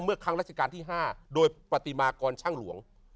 ครั้งราชการที่๕โดยปฏิมากรช่างหลวง